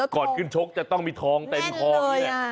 ก่อนขึ้นชกจะต้องมีทองเต็มทองนี่แหละ